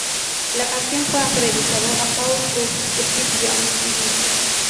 La canción fue acreditado a Paul Cook, Steve Jones, y Biggs.